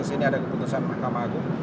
agus terus ini ada keputusan mahkamah agung